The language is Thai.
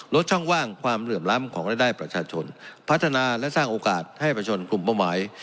ลดช่องว่างความเหลื่อมล้ำของรายได้ประชาชนพัฒนาและสร้างโอกาสให้ประชนกลุ่มเป้าหมาย